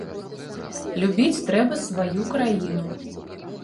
Любіць трэба сваю краіну.